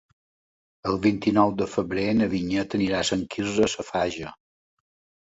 El vint-i-nou de febrer na Vinyet anirà a Sant Quirze Safaja.